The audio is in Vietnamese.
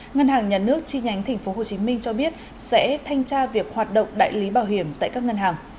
ngân hàng nhà nước chi nhánh tp hcm cho biết sẽ thanh tra việc hoạt động đại lý bảo hiểm tại các ngân hàng